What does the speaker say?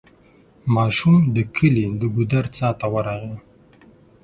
ماشوم د کلي د ګودر څا ته ورغی.